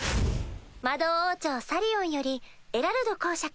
魔導王朝サリオンよりエラルド公爵。